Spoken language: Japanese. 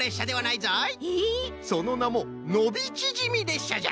そのなも「のびちぢみれっしゃ」じゃ。